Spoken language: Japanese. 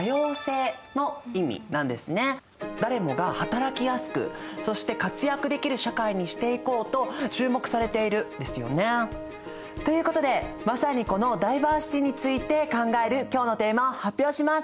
誰もが働きやすくそして活躍できる社会にしていこうと注目されているんですよね。ということでまさにこのダイバーシティについて考える今日のテーマを発表します。